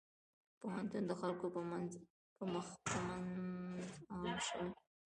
پوهنتون د خلکو په منځ عام شوی.